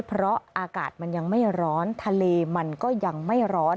เพราะอากาศมันยังไม่ร้อนทะเลมันก็ยังไม่ร้อน